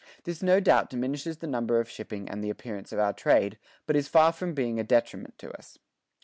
This no doubt diminishes the number of shipping and the appearance of our trade, but it is far from being a detriment to us."